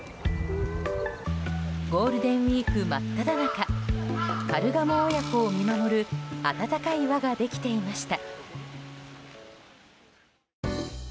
ゴールデンウィーク真っただ中カルガモ親子を見守る温かい輪ができていました。